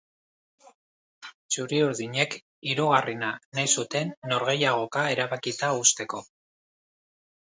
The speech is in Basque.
Txuri-urdinek hirugarrena nahi zuten norgehiagoka erabakita uzteko.